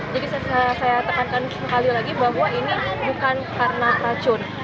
jadi saya tekankan sekali lagi bahwa ini bukan karena racun